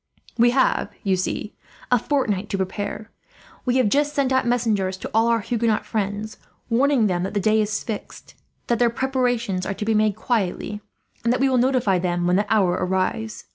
"We have, you see, a fortnight to prepare. We have just sent out messengers to all our Huguenot friends, warning them that the day is fixed, that their preparations are to be made quietly, and that we will notify them when the hour arrives.